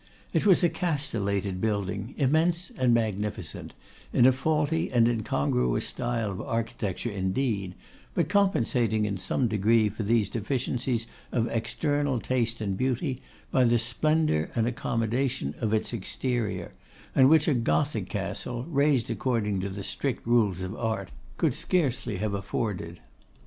It was a castellated building, immense and magnificent, in a faulty and incongruous style of architecture, indeed, but compensating in some degree for these deficiencies of external taste and beauty by the splendour and accommodation of its exterior, and which a Gothic castle, raised according to the strict rules of art, could scarcely have afforded.